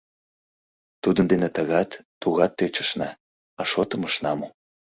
Тудын дене тыгат, тугат тӧчышна, а шотым ышна му.